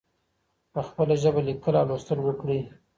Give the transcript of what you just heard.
په خپله ژبه لیکل او لوستل وکړئ.